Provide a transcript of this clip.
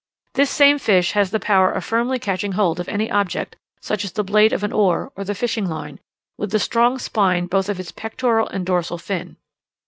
This same fish has the power of firmly catching hold of any object, such as the blade of an oar or the fishing line, with the strong spine both of its pectoral and dorsal fin.